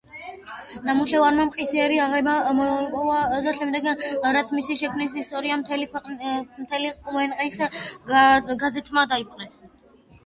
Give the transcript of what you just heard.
ნამუშევარმა მყისიერი აღიარება ჰპოვა მას შემდეგ რაც მისი შექმნის ისტორია მთელი ყვეყნის გაზეთებმა დაწერეს.